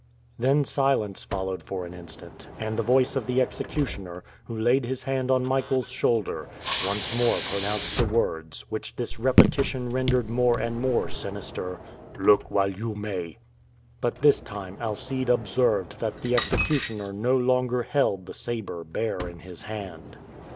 Then silence followed for an instant, and the voice of the executioner, who laid his hand on Michael's shoulder, once more pronounced the words, which this repetition rendered more and more sinister: "Look while you may" But this time Alcide observed that the executioner no longer held the saber bare in his hand.